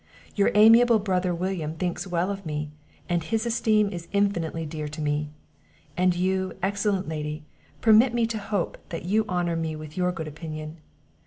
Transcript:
Your amiable brother William thinks well of me, and his esteem is infinitely dear to me; and you, excellent Lady, permit me to hope that you honour me with your good opinion.